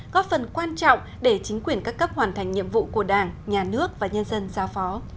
góp phần quan trọng để chính quyền các cấp hoàn thành nhiệm vụ của đảng nhà nước và nhân dân giao phó